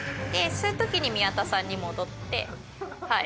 吸う時に宮田さんに戻ってはい」